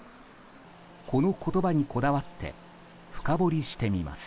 この言葉にこだわって深掘りしてみます。